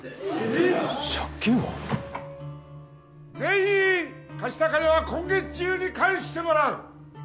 全員貸した金は今月中に返してもらう！